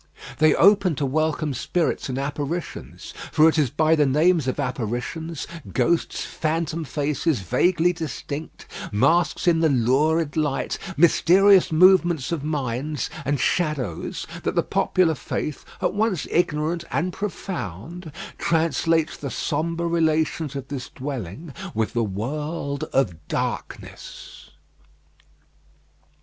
They open to welcome spirits and apparitions; for it is by the names of apparitions, ghosts, phantom faces vaguely distinct, masks in the lurid light, mysterious movements of minds, and shadows, that the popular faith, at once ignorant and profound, translates the sombre relations of this dwelling with the world of darkness.